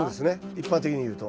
一般的にいうと。